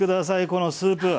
このスープ。